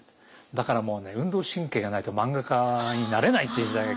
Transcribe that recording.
だからもうね運動神経がないと漫画家になれないっていう時代が。